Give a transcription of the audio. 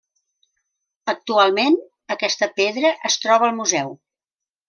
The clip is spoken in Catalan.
Actualment, aquesta pedra es troba al museu.